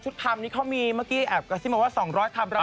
คำนี้เขามีเมื่อกี้แอบกระซิบมาว่า๒๐๐คำ